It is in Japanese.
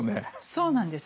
そうなんです。